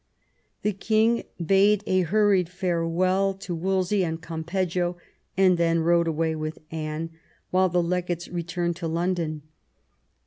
The king bade a hurried farewell to Wolsey and Campeggio, and then rode away with Anne, while the legates returned to London.